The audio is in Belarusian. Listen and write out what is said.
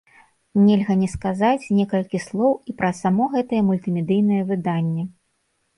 Нельга не сказаць некалькі слоў і пра само гэтае мультымедыйнае выданне.